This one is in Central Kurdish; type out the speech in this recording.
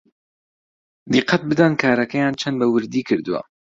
دیقەت بدەن کارەکەیان چەند بەوردی کردووە